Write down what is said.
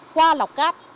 qua lọc cát